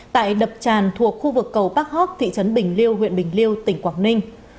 tại đập tràn thuộc khu vực cầu bắc hóc thị trấn bình liêu huyện bình liêu tỉnh quảng ninh